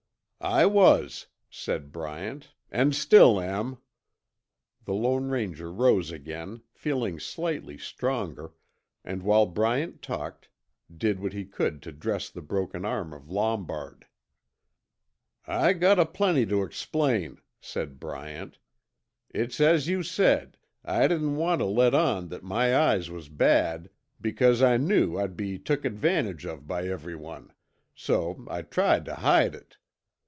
"I was," said Bryant, "an' still am." The Lone Ranger rose again, feeling slightly stronger, and while Bryant talked, did what he could to dress the broken arm of Lombard. "I got aplenty tuh explain," said Bryant. "It's as you said, I didn't want tuh let on that my eyes was bad because I knew I'd be took advantage of by everyone, so I tried tuh hide it.